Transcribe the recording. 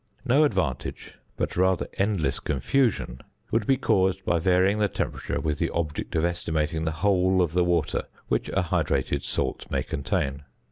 No advantage, but rather endless confusion, would be caused by varying the temperature with the object of estimating the whole of the water which a hydrated salt may contain.